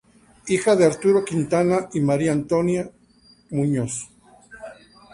Hija de Arturo Quintana y María Antonia Muñoz.